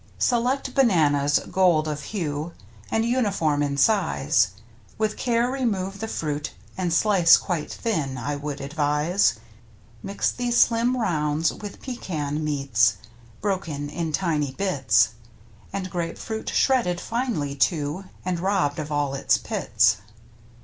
Select bananas, gold of hue. And uniform in size, With care remove the fruit, and slice Quite thin — I would advise. Mix these slim rounds with pecan meats Broken in tiny bits, And grape fruit shredded finely, too. And robbed of all its pits.